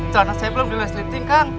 celana saya belum di les linting kang